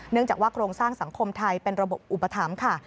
จากว่าโครงสร้างสังคมไทยเป็นระบบอุปถัมภ์ค่ะ